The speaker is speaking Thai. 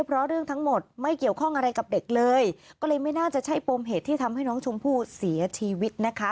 เพราะเรื่องทั้งหมดไม่เกี่ยวข้องอะไรกับเด็กเลยก็เลยไม่น่าจะใช่ปมเหตุที่ทำให้น้องชมพู่เสียชีวิตนะคะ